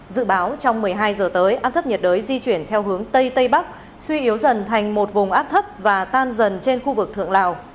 dự báo trong một mươi hai giờ tới áp thấp nhiệt đới di chuyển theo hướng tây tây bắc suy yếu dần thành một vùng áp thấp và tan dần trên khu vực thượng lào